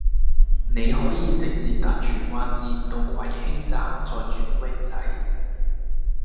你可以直接搭荃灣綫到葵興站再轉 van 仔